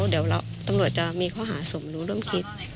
เดี๋ยวตำรวจจะมีข้อหาสมรู้ร่วมคิด